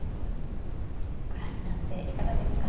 ご覧になっていかがですか。